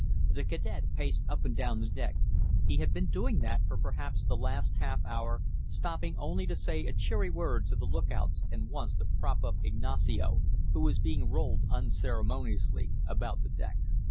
The cadet paced up and down the deck; he had been doing that for perhaps the last half hour, stopping only to say a cheery word to the lookouts and once to prop up Ignacio, who was being rolled unceremoniously about the deck.